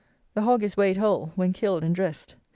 The hog is weighed whole, when killed and dressed.